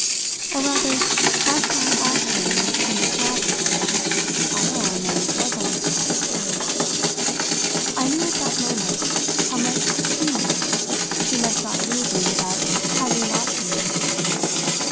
Or rather, as to her action in this last matter, I am, and was on the spot, clear: I knew at that moment how much she knew she must not leave me without having got from me.